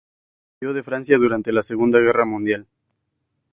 Huyó de Francia durante la Segunda Guerra Mundial.